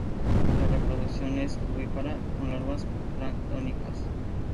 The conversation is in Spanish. La reproducción es ovípara, con larvas planctónicas.